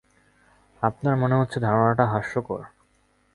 আপনার মনে হচ্ছে ধারণাটা হাস্যকর?